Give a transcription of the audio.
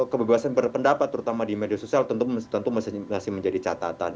kebebasan berpendapat terutama di media sosial tentu masih menjadi catatan